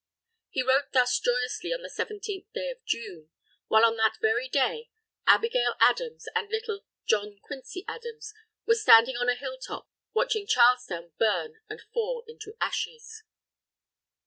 He wrote thus joyously on the 17th day of June, while on that very day, Abigail Adams and little John Quincy Adams were standing on a hilltop watching Charlestown burn and fall into ashes.